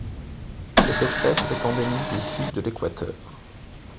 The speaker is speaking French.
Cette espèce est endémique du Sud de l'Équateur.